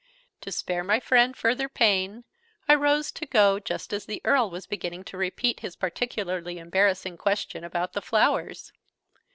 To spare my friend further pain, I rose to go, just as the Earl was beginning to repeat his particularly embarrassing question about the flowers.